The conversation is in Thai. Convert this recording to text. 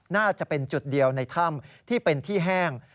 น่าจะเป็นจุดเดียวในถ้ำที่เป็นที่แห้ง